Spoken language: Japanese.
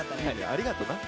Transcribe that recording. ありがとな。